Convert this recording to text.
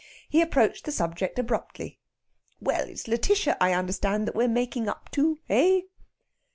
He approached the subject abruptly: "Well, it's Lætitia, I understand, that we're making up to, eh?"